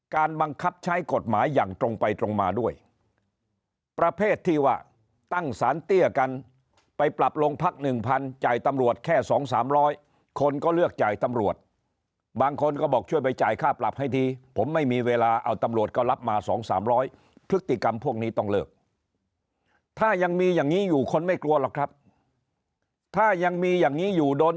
บังคับใช้กฎหมายอย่างตรงไปตรงมาด้วยประเภทที่ว่าตั้งสารเตี้ยกันไปปรับโรงพักหนึ่งพันจ่ายตำรวจแค่สองสามร้อยคนก็เลือกจ่ายตำรวจบางคนก็บอกช่วยไปจ่ายค่าปรับให้ทีผมไม่มีเวลาเอาตำรวจก็รับมา๒๓๐๐พฤติกรรมพวกนี้ต้องเลิกถ้ายังมีอย่างนี้อยู่คนไม่กลัวหรอกครับถ้ายังมีอย่างนี้อยู่โดน